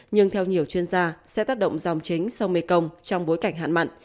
nhưng theo nhiều chuyên gia sẽ tác động dòng chính sau mekong trong bối cảnh hạn mặn